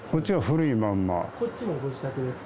こっちもご自宅ですか？